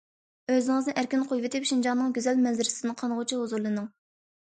ئۆزىڭىزنى ئەركىن قويۇۋېتىپ، شىنجاڭنىڭ گۈزەل مەنزىرىسىدىن قانغۇچە ھۇزۇرلىنىڭ.